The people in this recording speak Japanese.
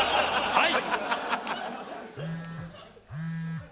はい！